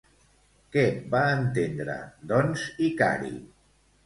Què va entendre, doncs Icari?